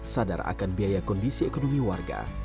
sadar akan biaya kondisi ekonomi warga